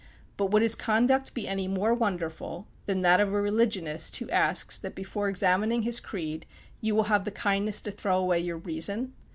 But would his conduct be any more wonderful than that of a religionist who asks that before examining his creed you will have the kindness to throw away your reason?